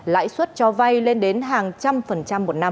lãi suất cho vay lên đến hàng trăm phần trăm một năm